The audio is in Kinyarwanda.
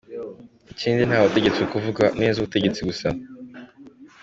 Ikindi ntawe utegetswe kuvuga neza ubutegetsi gusa.